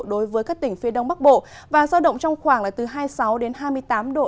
đối với các tỉnh phía đông bắc bộ và giao động trong khoảng là từ hai mươi sáu đến hai mươi tám độ